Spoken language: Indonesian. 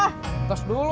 betes dulu atuk